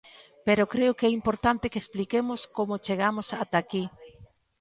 Pero creo que é importante que expliquemos como chegamos ata aquí.